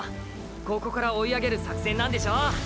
ここから追い上げる作戦なんでしょ？